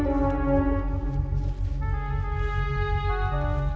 tidak terlalu banyak